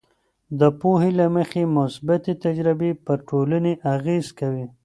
د پوهې له مخې، مثبتې تجربې پر ټولنې اغیز کوي.